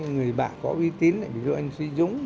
người bạn có uy tín ví dụ anh sư dũng